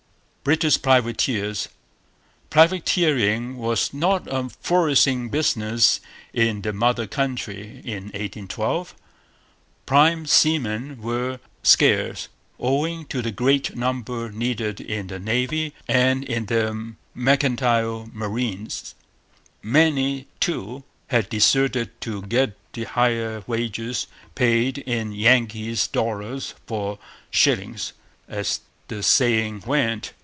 British Privateers. Privateering was not a flourishing business in the mother country in 1812. Prime seamen were scarce, owing to the great number needed in the Navy and in the mercantile marine. Many, too, had deserted to get the higher wages paid in 'Yankees' 'dollars for shillings,' as the saying went.